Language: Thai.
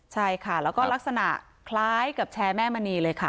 ใช่ค่ะแล้วก็ลักษณะคล้ายกับแชร์แม่มณีเลยค่ะ